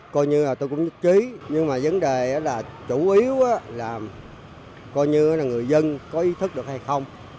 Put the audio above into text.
coi như là tôi cũng nhất trí nhưng mà vấn đề là chủ yếu là coi như là người dân có ý thức được hay không